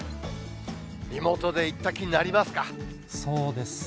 リモートで行った気になりまそうですね。